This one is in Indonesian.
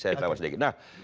saya tambah sedikit